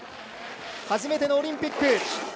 初めてのオリンピック。